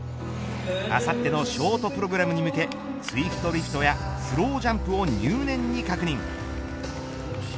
あさってのショートプログラムに向けツイストリフトやスロージャンプを入念に確認。